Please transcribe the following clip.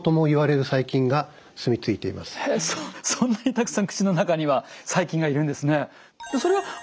そんなにたくさん口の中には細菌がいるんですね。